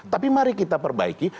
tapi mari kita perbaiki